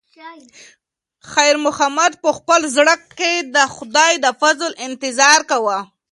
خیر محمد په خپل زړه کې د خدای د فضل انتظار کاوه.